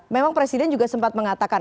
memang presiden juga sempat mengatakan